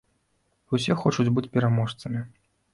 Усе хочуць быць пераможцамі.